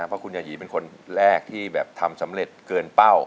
เพราะคุณยายีเป็นคนแรกที่แบบทำสำเร็จเกินเป้า